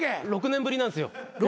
６年ぶりなんすよ。